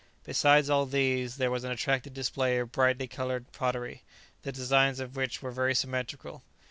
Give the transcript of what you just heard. Besides all these there was an attractive display of bright coloured pottery, the designs of which were very symmetrical.